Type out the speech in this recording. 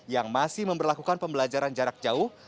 yang masih memperlakukan pembelajaran jarak jauh